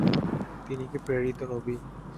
তিনি কি প্রেরিত নবী?